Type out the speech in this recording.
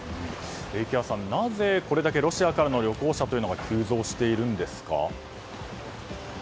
池谷さん、なぜこれだけロシアからの旅行者が急増しているんですか？